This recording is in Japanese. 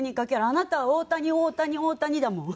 あなたは「大谷大谷大谷」だもん。